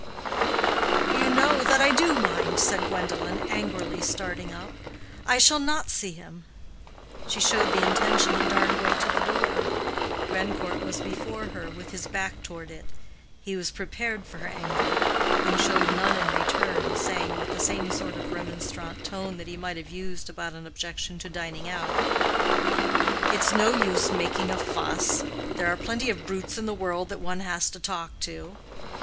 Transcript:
"You know that I do mind," said Gwendolen, angrily, starting up. "I shall not see him." She showed the intention to dart away to the door. Grandcourt was before her, with his back toward it. He was prepared for her anger, and showed none in return, saying, with the same sort of remonstrant tone that he might have used about an objection to dining out, "It's no use making a fuss. There are plenty of brutes in the world that one has to talk to.